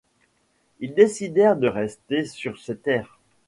Ils décidèrent de rester sur ces terres.